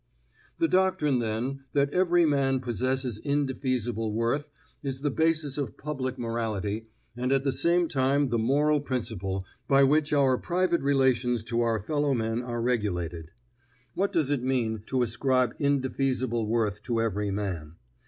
The doctrine, then, that every man possesses indefeasible worth is the basis of public morality, and at the same time the moral principle by which our private relations to our fellow men are regulated. What does it mean to ascribe indefeasible worth to every man?